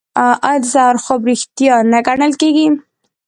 آیا د سهار خوب ریښتیا نه ګڼل کیږي؟